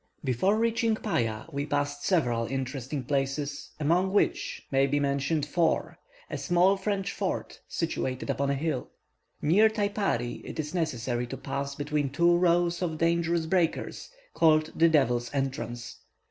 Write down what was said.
Before reaching Paya, we passed several interesting places, among which may be mentioned Foar, a small French fort, situated upon a hill. Near Taipari it is necessary to pass between two rows of dangerous breakers, called the "Devil's Entrance."